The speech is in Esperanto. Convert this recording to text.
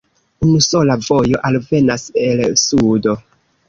Unusola vojo alvenas el sudo.